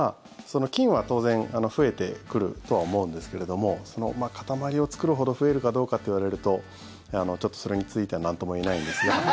菌は当然、増えてくるとは思うんですけれども塊を作るほど増えるかどうかって言われるとちょっと、それについてはなんとも言えないんですが。